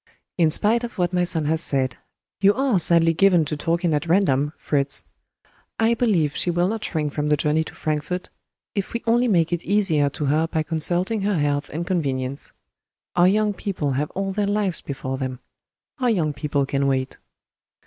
In spite of what my son has said (you are sadly given to talking at random, Fritz), I believe she will not shrink from the journey to Frankfort, if we only make it easier to her by consulting her health and convenience. Our young people have all their lives before them our young people can wait."